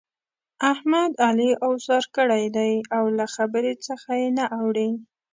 احمد؛ علي اوسار کړی دی او له خبرې څخه يې نه اوړي.